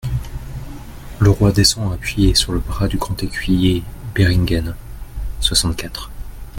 Le roi descend appuyé sur le bras du grand écuyer Béringhen (soixante-quatre).